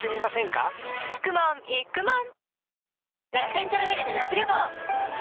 かくもんいくもん